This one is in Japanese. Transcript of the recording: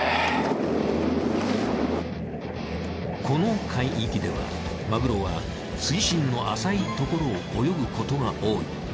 この海域ではマグロは水深の浅いところを泳ぐことが多い。